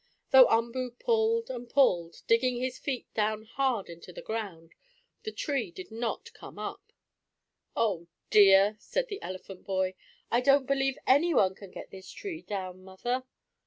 Though Umboo pulled and pulled, digging his feet hard down into the ground, the tree did not come up. "Oh, dear!" said the elephant boy. "I don't believe anyone can get this tree down, Mother!"